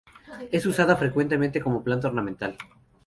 Es usada frecuentemente como planta ornamental.